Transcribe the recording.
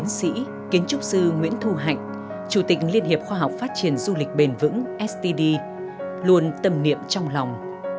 nguyễn trúc sư nguyễn thu hạnh chủ tịch liên hiệp khoa học phát triển du lịch bền vững std luôn tâm niệm trong lòng